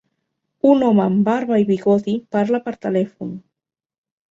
Un home amb barba i bigoti parla per telèfon